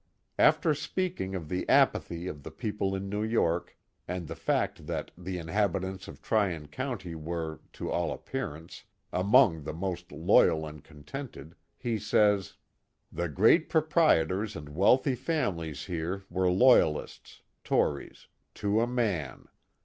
After speaking of the apathy of the people in New York, and the fact that the inhabitants of Tryon County were, to all appearance, among the most loyal and contented," he says: The great proprietors and wealthy families here were Loyalists (Tories) to a man.